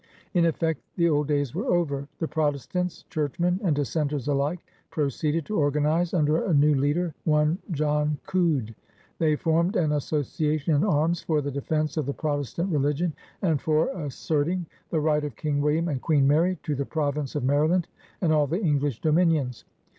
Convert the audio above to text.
In eflFect the old days were over. The Protfes tants. Churchmen and Dissenters alike, proceeded to organize under a new leader, one John Coode. They formed "An Association m arms for the defense of the Protestant religion, and for assert ing the right of King William and Queen Mary to the Province of Maryland and all the English Dominions.